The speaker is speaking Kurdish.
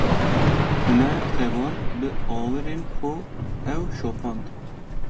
Me tevan bi awirên xwe ew şopand